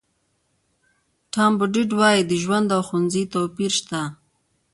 ټام بوډیټ وایي د ژوند او ښوونځي توپیر شته.